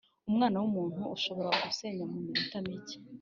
umwana numuntu ushobora gusenya muminota micye